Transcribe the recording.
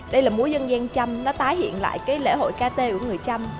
đây là múa dân gian chăm nó tái hiện lại cái lễ hội ca tê của người chăm